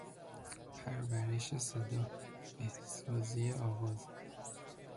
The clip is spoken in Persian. پرورش صدا، بهسازی آواز